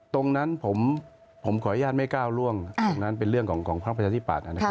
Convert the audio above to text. ตรงนั้นผมขออนุญาตไม่ก้าวล่วงตรงนั้นเป็นเรื่องของภักดิ์ประชาธิปัตย์นะครับ